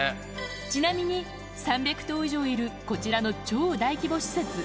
ちなみに、３００頭以上いる、こちらの超大規模施設。